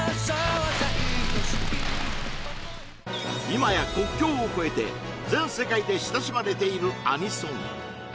今や国境をこえて全世界で親しまれているアニソン